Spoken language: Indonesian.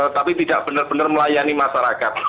tapi tidak benar benar melayani masyarakat